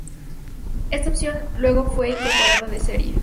Esta opción luego fue incorporada de serie.